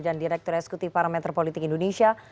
dan direktur eksekutif para menteri politik indonesia